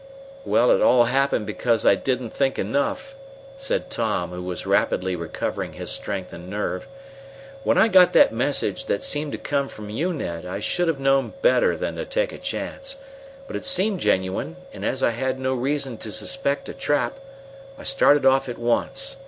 "Well, it all happened because I didn't think enough," said Tom, who was rapidly recovering his strength and nerve. "When I got that message that seemed to come from you, Ned, I should have known better than to take a chance. But it seemed genuine, and as I had no reason to suspect a trap, I started off at once.